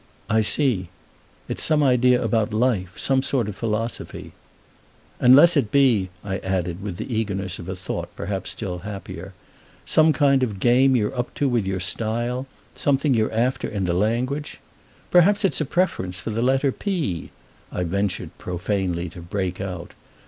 "I see—it's some idea about life, some sort of philosophy. Unless it be," I added with the eagerness of a thought perhaps still happier, "some kind of game you're up to with your style, something you're after in the language. Perhaps it's a preference for the letter P!" I ventured profanely to break out.